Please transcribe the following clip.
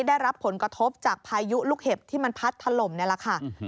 ได้รับผลกระทบจากพายุลูกเห็บที่มันพัดถล่มนี่แหละค่ะ